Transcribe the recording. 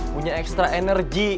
punya ekstra energi